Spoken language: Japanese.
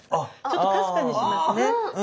ちょっとかすかにしますね。